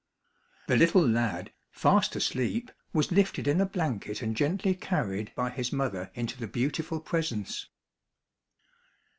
The little lad, fast asleep, was lifted in a blanket and gently carried by his mother into the beautiful presence.